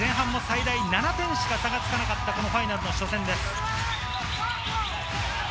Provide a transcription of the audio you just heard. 前半、最大７点しか差がつかなかった、ファイナルの初戦です。